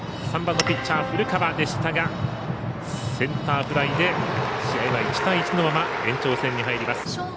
３番のピッチャー、古川でしたがセンターフライで試合は１対１のまま延長戦に入ります。